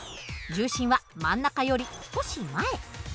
重心は真ん中より少し前。